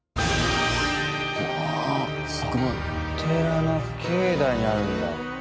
すごい。お寺の境内にあるんだ。